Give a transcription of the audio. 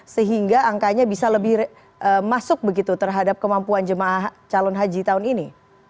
sehingga angkanya bisa lebih masuk begitu terhadap kemampuan jemaah calon haji tahun ini